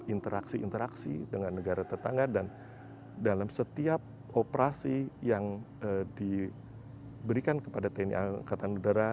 interaksi interaksi dengan negara tetangga dan dalam setiap operasi yang diberikan kepada tni angkatan udara